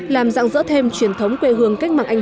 làm dạng dỡ thêm truyền thống quê hương